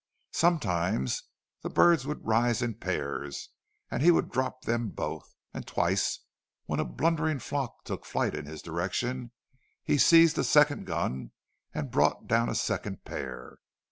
Sometimes the birds would rise in pairs, and he would drop them both; and twice when a blundering flock took flight in his direction he seized a second gun and brought down a second pair.